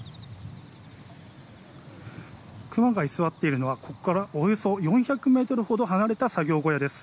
クマが居座っているのはここからおよそ４００ｍほど離れた作業小屋です。